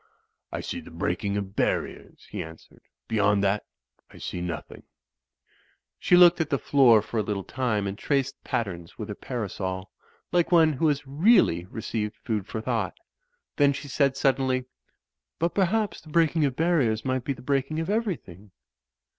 "I see the breaking of the barriers,'* he answered, '^beyond that I see nothing/' She looked at the floor for a little time and traced patterns with her parasol, like one who has really re ceived food for thought. Then she said, suddenly, "But perhaps the breaking of barriers might be the breaking of everything."